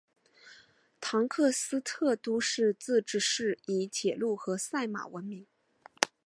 唐克斯特都市自治市以铁路和赛马闻名。